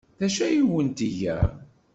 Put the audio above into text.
D acu ay awent-tga?